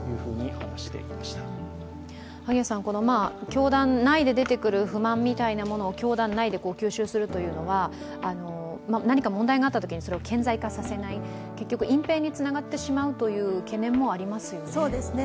教団内で出てくる不満みたいなものを教団内で吸収するということは、何か問題があったときに顕在化させない、結局隠蔽につながってしまうという懸念もありますよね。